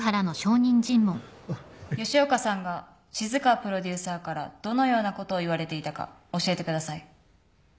吉岡さんが静川プロデューサーからどのようなことを言われていたか教えてください。